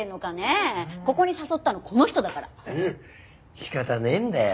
仕方ねえんだよ。